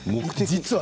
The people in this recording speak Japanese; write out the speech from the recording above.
実は。